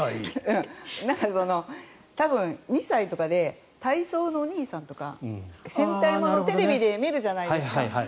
多分、２歳とかで体操のお兄さんとか戦隊ものをテレビで見るじゃないですか。